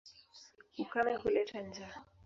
Ukame huleta njaa.